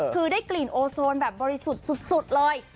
คือได้กลิ่นโอโซนแบบบริสุทธิ์สุดเลย